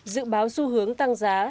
dự báo xu hướng tăng giá